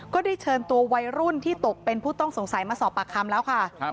ก็ได้เชิญตัววัยรุ่นที่ตกเป็นผู้ต้องสงสัยมาสอบปากคำแล้วค่ะ